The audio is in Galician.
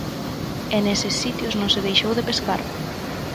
E neses sitios non se deixou de pescar.